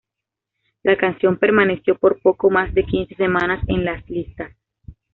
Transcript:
La canción permaneció por poco más de quince semanas en las listas.